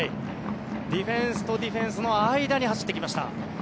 ディフェンスとディフェンスの間に走ってきました。